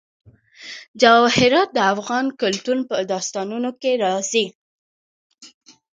جواهرات د افغان کلتور په داستانونو کې راځي.